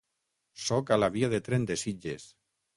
Soc a la via de tren de Sitges.